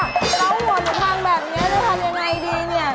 อ๋อมันพูดคำถามแบบนี้เราทำยังไงดีนี่